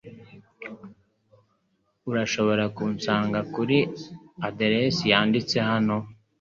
Urashobora kunsanga kuri aderesi yanditse hano.